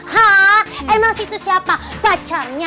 hah emang itu siapa pacarnya